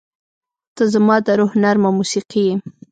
• ته زما د روح نرمه موسیقي یې.